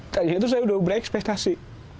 saya sudah beri ekspektasi